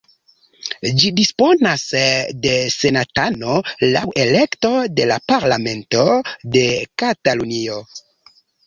Ĝi disponas de senatano laŭ elekto de la parlamento de Katalunio.